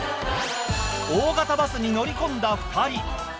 大型バスに乗り込んだ２人。